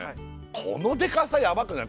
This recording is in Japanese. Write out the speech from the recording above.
このデカさヤバくない？